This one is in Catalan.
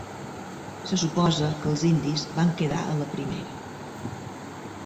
Se suposa que els indis van quedar a la primera.